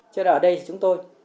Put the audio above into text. chứ ở đây chúng tôi